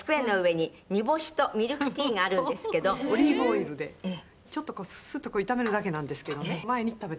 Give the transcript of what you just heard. オリーブオイルでちょっとこうスッと炒めるだけなんですけどね。